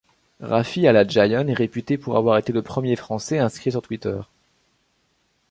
Rafi Haladjian est réputé pour avoir été le premier Français inscrit sur Twitter.